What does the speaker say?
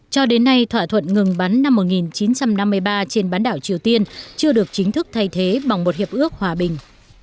cho đến nay thỏa thuận ngừng bắn năm một nghìn chín trăm năm mươi ba trên bán đảo triều tiên chưa được chính thức thay thế bằng một hiệp ước hòa bình